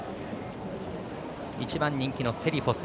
１番人気のセリフォス。